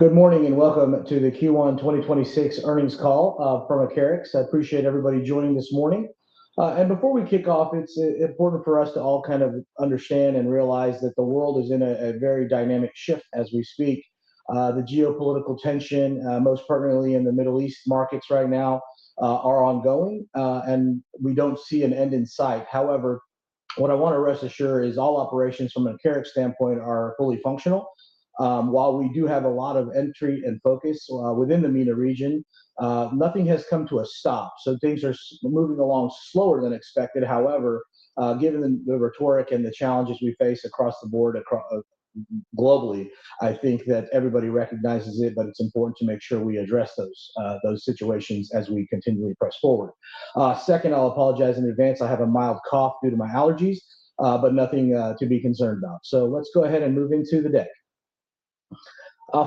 Good morning, welcome to the Q1 2026 earnings call from Acarix. I appreciate everybody joining this morning. Before we kick off, it's important for us to all kind of understand and realize that the world is in a very dynamic shift as we speak. The geopolitical tension, most pertinently in the Middle East markets right now, are ongoing, and we don't see an end in sight. However, what I wanna rest assured is all operations from an Acarix standpoint are fully functional. While we do have a lot of entry and focus within the MENA region, nothing has come to a stop, things are moving along slower than expected. However, given the rhetoric and the challenges we face across the board globally, I think that everybody recognizes it, but it's important to make sure we address those situations as we continually press forward. Second, I'll apologize in advance. I have a mild cough due to my allergies, but nothing to be concerned about. Let's go ahead and move into the deck.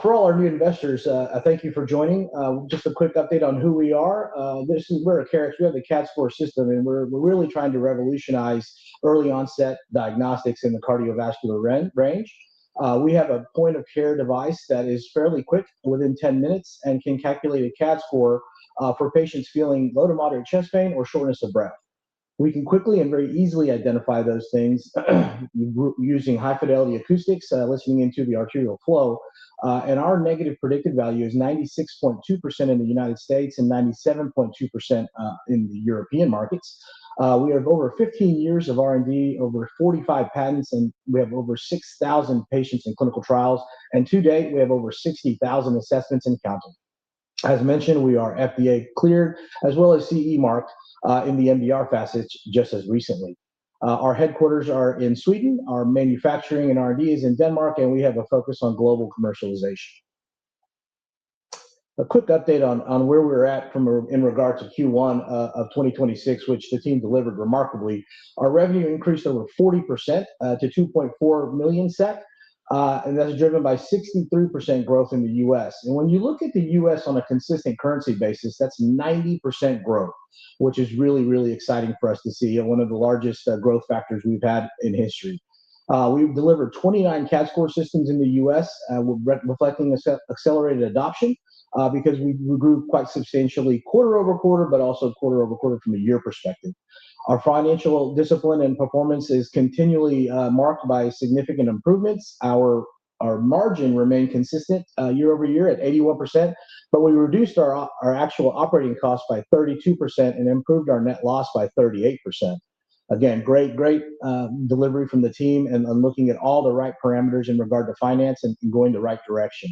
For all our new investors, I thank you for joining. Just a quick update on who we are. This is, we're Acarix. We have the CADScor System, and we're really trying to revolutionize early onset diagnostics in the cardiovascular range. We have a point-of-care device that is fairly quick, within 10 minutes, and can calculate a CAD-score for patients feeling low to moderate chest pain or shortness of breath. We can quickly and very easily identify those things using high-fidelity acoustics, listening into the arterial flow. Our negative predictive value is 96.2% in the U.S. and 97.2% in the European markets. We have over 15 years of R&D, over 45 patents, and we have over 6,000 patients in clinical trials, and to date, we have over 60,000 assessments in counting. As mentioned, we are FDA cleared as well as CE marked in the MDR passage just as recently. Our headquarters are in Sweden, our manufacturing and R&D is in Denmark, and we have a focus on global commercialization. A quick update on where we're at in regard to Q1 of 2026, which the team delivered remarkably. Our revenue increased over 40%, to 2.4 million, and that is driven by 63% growth in the U.S. When you look at the U.S. on a consistent currency basis, that's 90% growth, which is really exciting for us to see and one of the largest growth factors we've had in history. We've delivered 29 CADScor Systems in the U.S., reflecting accelerated adoption, because we grew quite substantially quarter-over-quarter, but also quarter-over-quarter from a year perspective. Our financial discipline and performance is continually marked by significant improvements. Our margin remained consistent year-over-year at 81%, but we reduced our actual operating cost by 32% and improved our net loss by 38%. Again, great delivery from the team and looking at all the right parameters in regard to finance and going the right direction.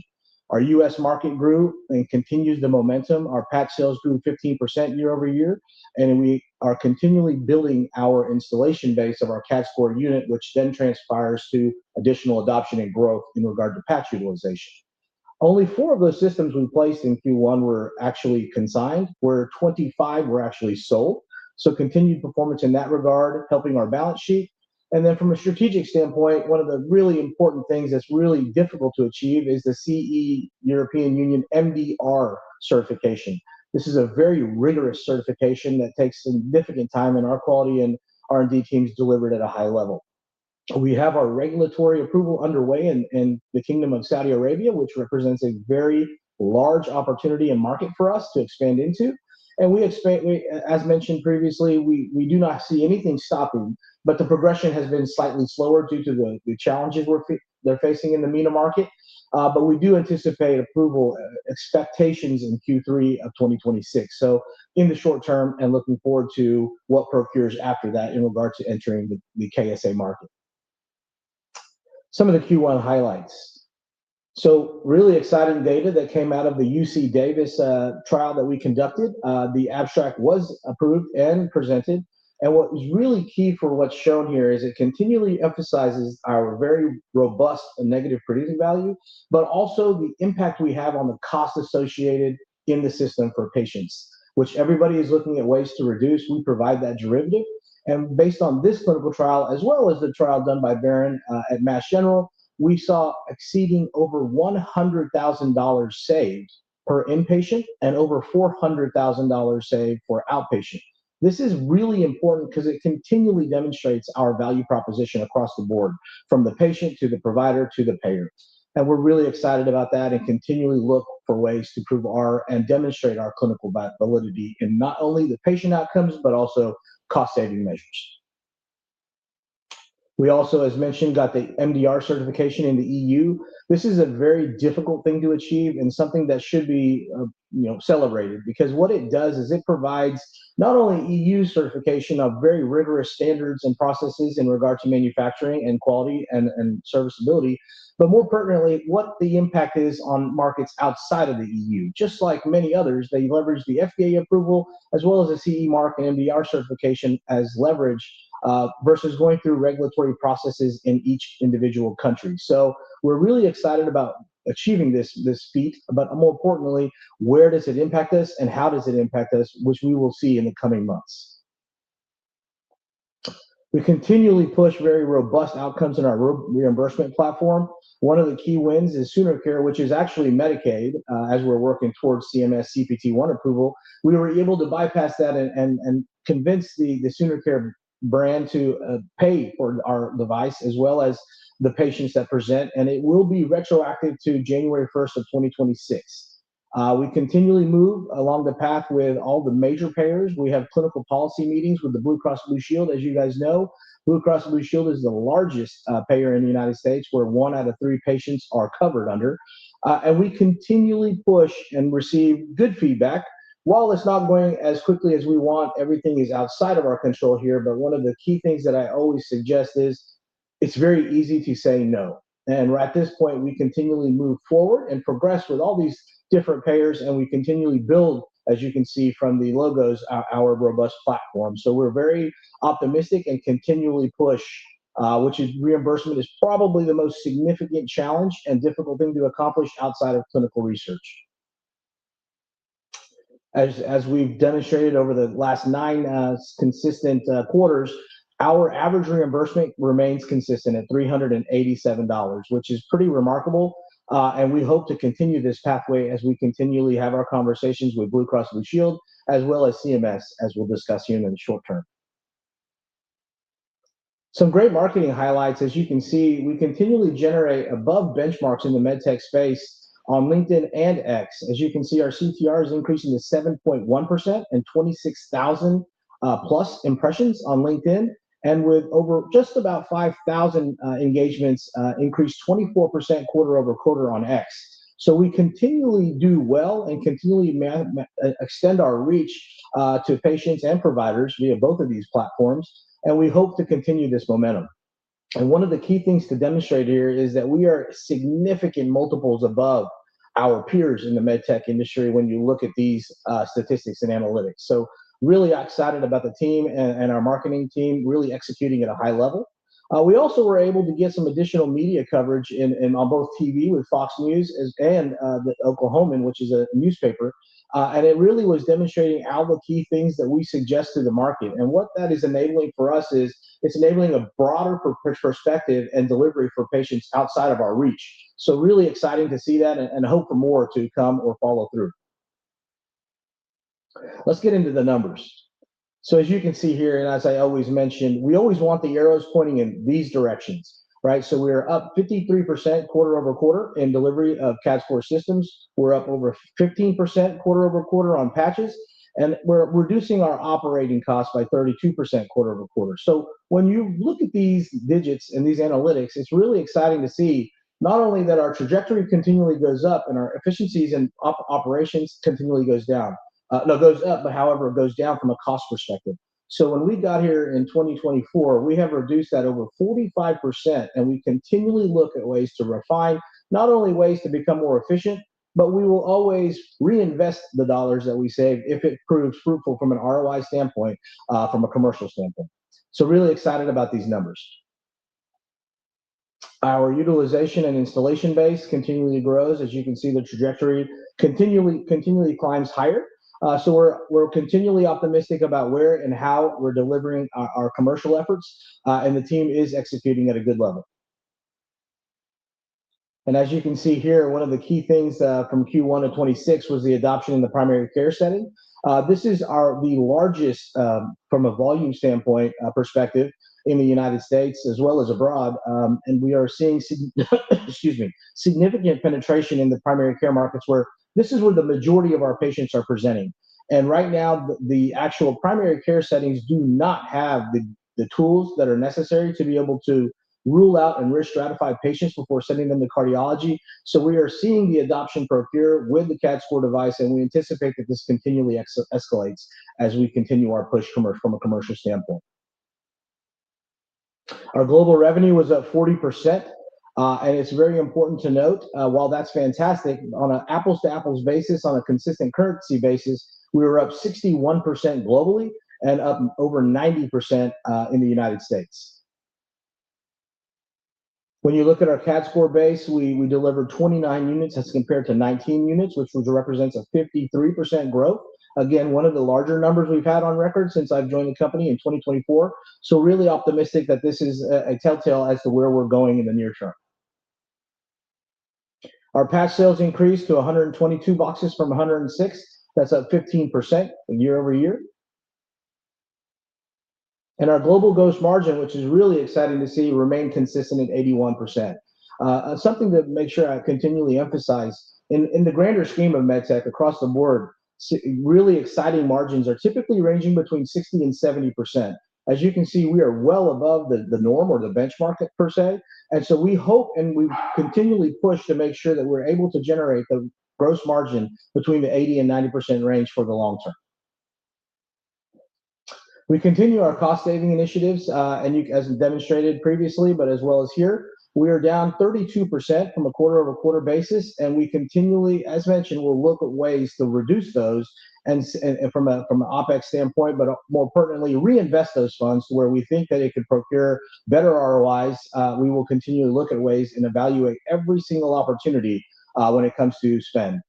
Our U.S. market grew and continues the momentum. Our patch sales grew 15% year-over-year, and we are continually building our installation base of our CADScor unit, which then transpires to additional adoption and growth in regard to patch utilization. Only four of those systems we placed in Q1 were actually consigned, where 25 were actually sold, so continued performance in that regard helping our balance sheet. From a strategic standpoint, one of the really important things that is really difficult to achieve is the CE European Union MDR certification. This is a very rigorous certification that takes significant time, and our quality and R&D teams delivered at a high level. We have our regulatory approval underway in the Kingdom of Saudi Arabia, which represents a very large opportunity and market for us to expand into. As mentioned previously, we do not see anything stopping, but the progression has been slightly slower due to the challenges they're facing in the MENA market. We do anticipate approval expectations in Q3 of 2026. In the short term and looking forward to what procures after that in regard to entering the KSA market. Some of the Q1 highlights. Really exciting data that came out of the UC Davis trial that we conducted. The abstract was approved and presented. What is really key for what's shown here is it continually emphasizes our very robust and negative predictive value, but also the impact we have on the cost associated in the system for patients, which everybody is looking at ways to reduce. We provide that derivative. Based on this clinical trial as well as the trial done by Baron at Mass General, we saw exceeding over SEK 100,000 saved per inpatient and over SEK 400,000 saved for outpatient. This is really important 'cause it continually demonstrates our value proposition across the board, from the patient to the provider to the payer. We're really excited about that and continually look for ways to prove our and demonstrate our clinical validity in not only the patient outcomes but also cost-saving measures. We also, as mentioned, got the MDR certification in the EU. This is a very difficult thing to achieve and something that should be, you know, celebrated because what it does is it provides not only EU certification of very rigorous standards and processes in regard to manufacturing and quality and serviceability, but more pertinently, what the impact is on markets outside of the EU. Just like many others, they leverage the FDA approval as well as the CE mark and MDR certification as leverage versus going through regulatory processes in each individual country. We're really excited about achieving this feat, but more importantly, where does it impact us and how does it impact us, which we will see in the coming months. We continually push very robust outcomes in our reimbursement platform. One of the key wins is SoonerCare, which is actually Medicaid, as we're working towards CMS CPT I approval. We were able to bypass that and convince the SoonerCare brand to pay for our device as well as the patients that present, and it will be retroactive to January 1st of 2026. We continually move along the path with all the major payers. We have clinical policy meetings with the Blue Cross Blue Shield. As you guys know, Blue Cross Blue Shield is the largest payer in the United States where one out of three patients are covered under. We continually push and receive good feedback. While it's not going as quickly as we want, everything is outside of our control here, one of the key things that I always suggest is it's very easy to say no. At this point, we continually move forward and progress with all these different payers, and we continually build, as you can see from the logos, our robust platform. We're very optimistic and continually push, which is reimbursement is probably the most significant challenge and difficult thing to accomplish outside of clinical research. As we've demonstrated over the last nine consistent quarters, our average reimbursement remains consistent at SEK 387, which is pretty remarkable. And we hope to continue this pathway as we continually have our conversations with Blue Cross Blue Shield, as well as CMS, as we'll discuss here in the short term. Some great marketing highlights. As you can see, we continually generate above benchmarks in the med tech space on LinkedIn and X. As you can see, our CTR is increasing to 7.1% and 26,000+ impressions on LinkedIn. With over just about 5,000 engagements increased 24% quarter-over-quarter on X. We continually do well and continually extend our reach to patients and providers via both of these platforms, and we hope to continue this momentum. One of the key things to demonstrate here is that we are significant multiples above our peers in the med tech industry when you look at these statistics and analytics. Really excited about the team and our marketing team really executing at a high level. We also were able to get some additional media coverage on both TV with Fox News as and The Oklahoman, which is a newspaper. It really was demonstrating all the key things that we suggest to the market. What that is enabling for us is it's enabling a broader perspective and delivery for patients outside of our reach. Really exciting to see that and hope for more to come or follow through. Let's get into the numbers. As you can see here, and as I always mention, we always want the arrows pointing in these directions, right? We're up 53% quarter-over-quarter in delivery of CADScor Systems. We're up over 15% quarter-over-quarter on patches, and we're reducing our operating costs by 32% quarter-over-quarter. When you look at these digits and these analytics, it's really exciting to see not only that our trajectory continually goes up and our efficiencies and operations continually goes down. No, goes up, but however, it goes down from a cost perspective. When we got here in 2024, we have reduced that over 45%, and we continually look at ways to refine not only ways to become more efficient, but we will always reinvest the dollars that we save if it proves fruitful from an ROI standpoint, from a commercial standpoint. Really excited about these numbers. Our utilization and installation base continually grows. As you can see, the trajectory continually climbs higher. We're continually optimistic about where and how we're delivering our commercial efforts, and the team is executing at a good level. As you can see here, one of the key things from Q1 of 2026 was the adoption in the primary care setting. This is the largest from a volume standpoint, perspective in the United States as well as abroad. We are seeing significant penetration in the primary care markets where this is where the majority of our patients are presenting. Right now, the actual primary care settings do not have the tools that are necessary to be able to rule out and risk stratify patients before sending them to cardiology. We are seeing the adoption procure with the CADScor device, and we anticipate that this continually escalates as we continue our push from a commercial standpoint. Our global revenue was up 40%, and it's very important to note, while that's fantastic, on a apples-to-apples basis, on a consistent currency basis, we were up 61% globally and up over 90% in the U.S. When you look at our CADScor base, we delivered 29 units as compared to 19 units, which represents a 53% growth. One of the larger numbers we've had on record since I've joined the company in 2024. Really optimistic that this is a telltale as to where we're going in the near term. Our patch sales increased to 122 boxes from 106. That's up 15% year-over-year. Our global gross margin, which is really exciting to see, remained consistent at 81%. Something to make sure I continually emphasize, in the grander scheme of med tech across the board, really exciting margins are typically ranging between 60% and 70%. As you can see, we are well above the norm or the benchmark at per se. We hope and we continually push to make sure that we're able to generate the gross margin between the 80% and 90% range for the long term. We continue our cost-saving initiatives, as demonstrated previously, but as well as here. We are down 32% from a quarter-over-quarter basis, and we continually, as mentioned, will look at ways to reduce those from an OpEx standpoint, but more pertinently reinvest those funds where we think that it could procure better ROIs. We will continue to look at ways and evaluate every single opportunity when it comes to spend.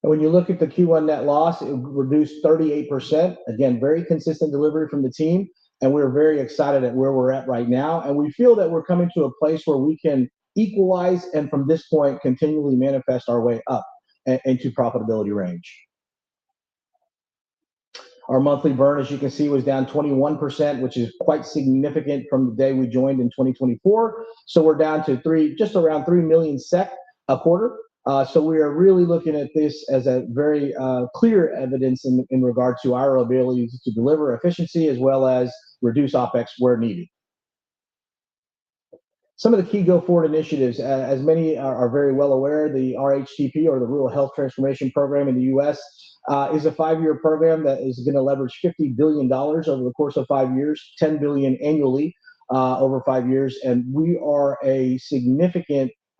When you look at the Q1 net loss, it reduced 38%. Again, very consistent delivery from the team, and we're very excited at where we're at right now. We feel that we're coming to a place where we can equalize and from this point continually manifest our way up and to profitability range. Our monthly burn, as you can see, was down 21%, which is quite significant from the day we joined in 2024. We're down to just around 3 million SEK a quarter. We are really looking at this as a very clear evidence in regard to our ability to deliver efficiency as well as reduce OpEx where needed. Some of the key go-forward initiatives, as many are very well aware, the RHTP or the Rural Health Transformation Program in the U.S. is a five-year program that is gonna leverage $50 billion over the course of five years, $10 billion annually over five years, and we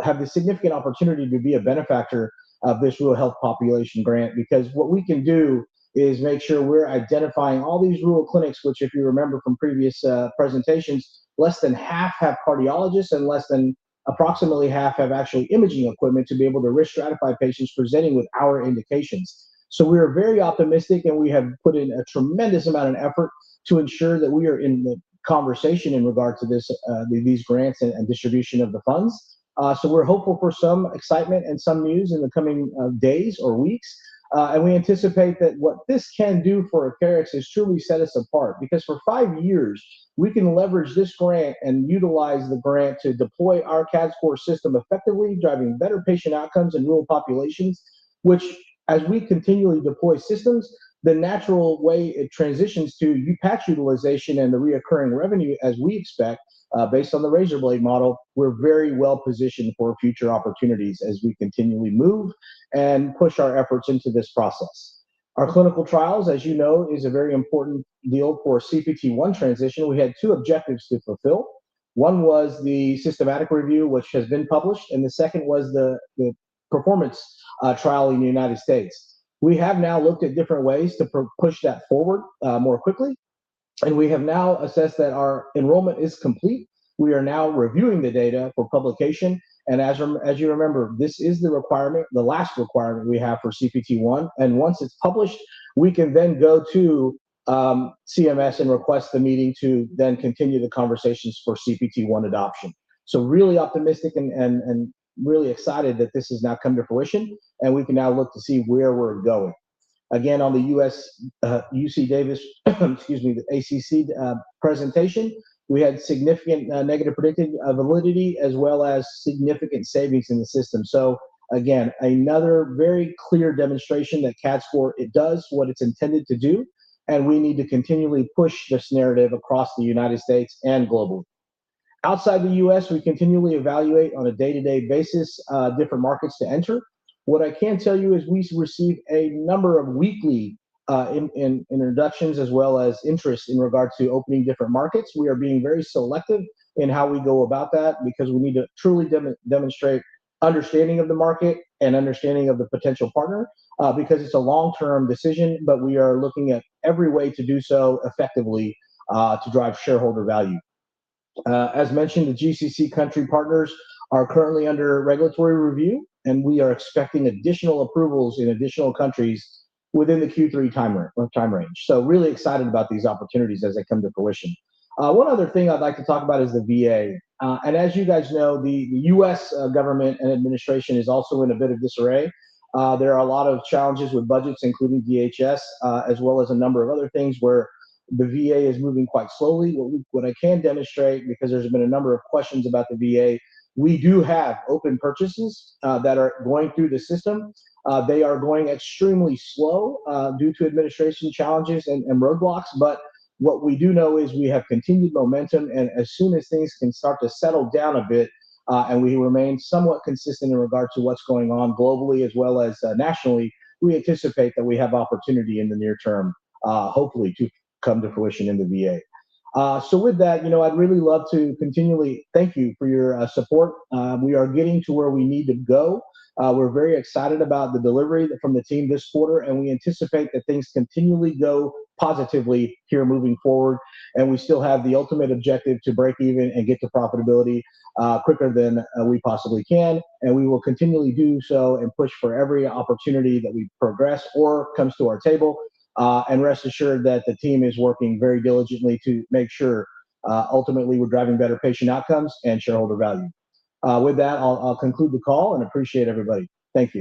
have the significant opportunity to be a benefactor of this rural health population grant. Because what we can do is make sure we're identifying all these rural clinics, which if you remember from previous presentations, less than half have cardiologists and less than approximately half have actually imaging equipment to be able to risk stratify patients presenting with our indications. We are very optimistic, and we have put in a tremendous amount of effort to ensure that we are in the conversation in regard to these grants and distribution of the funds. We're hopeful for some excitement and some news in the coming days or weeks. We anticipate that what this can do for Acarix is truly set us apart. Because for five years, we can leverage this grant and utilize the grant to deploy our CADScor System effectively, driving better patient outcomes in rural populations, which as we continually deploy systems, the natural way it transitions to up-take utilization and the reoccurring revenue as we expect, based on the razor blade model, we're very well positioned for future opportunities as we continually move and push our efforts into this process. Our clinical trials, as you know, is a very important deal for CPT I transition. We had two objectives to fulfill. One was the systematic review, which has been published, and the second was the performance trial in the U.S. We have now looked at different ways to push that forward more quickly. We have now assessed that our enrollment is complete. We are now reviewing the data for publication as you remember, this is the requirement, the last requirement we have for CPT I. Once it's published, we can then go to CMS and request the meeting to then continue the conversations for CPT I adoption. Really optimistic and really excited that this has now come to fruition. We can now look to see where we're going. On the U.S., UC Davis, excuse me, the ACC presentation, we had significant negative predictive validity as well as significant savings in the system. Again, another very clear demonstration that CADScor, it does what it's intended to do, and we need to continually push this narrative across the United States and globally. Outside the U.S., we continually evaluate on a day-to-day basis different markets to enter. What I can tell you is we receive a number of weekly introductions as well as interest in regard to opening different markets. We are being very selective in how we go about that because we need to truly demonstrate understanding of the market and understanding of the potential partner, because it's a long-term decision, but we are looking at every way to do so effectively to drive shareholder value. As mentioned, the GCC country partners are currently under regulatory review, and we are expecting additional approvals in additional countries within the Q3 time range. Really excited about these opportunities as they come to fruition. One other thing I'd like to talk about is the VA. As you guys know, the U.S. government and administration is also in a bit of disarray. There are a lot of challenges with budgets, including DHS, as well as a number of other things where the VA is moving quite slowly. What I can demonstrate, because there's been a number of questions about the VA, we do have open purchases that are going through the system. They are going extremely slow, due to administration challenges and roadblocks. What we do know is we have continued momentum and as soon as things can start to settle down a bit, and we remain somewhat consistent in regard to what's going on globally as well as nationally, we anticipate that we have opportunity in the near term, hopefully to come to fruition in the VA. With that, you know, I'd really love to continually thank you for your support. We are getting to where we need to go. We're very excited about the delivery from the team this quarter, and we anticipate that things continually go positively here moving forward, and we still have the ultimate objective to break even and get to profitability quicker than we possibly can. We will continually do so and push for every opportunity that we progress or comes to our table. Rest assured that the team is working very diligently to make sure, ultimately, we're driving better patient outcomes and shareholder value. With that, I'll conclude the call and appreciate everybody. Thank you.